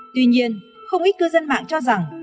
tuy nhiên không ít cư dân mạng cho rằng